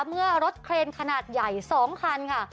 เมื่อรถเครนขนาดใหญ่๒คันค่ะ